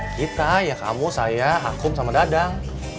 kita ya kamu saya hakum dan dadang